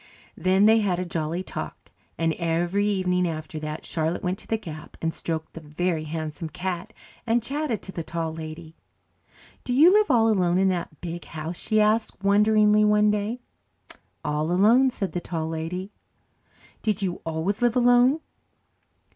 Then they had a jolly talk, and every evening after that Charlotte went to the gap and stroked the Very Handsome Cat and chatted to the Tall Lady. "Do you live all alone in that big house?" she asked wonderingly one day. "All alone," said the Tall Lady. "Did you always live alone?"